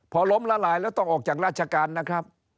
พอล้มละลายแล้วต้องออกจากราชการนะครับ